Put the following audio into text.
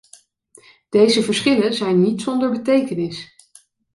Deze verschillen zijn niet zonder betekenis.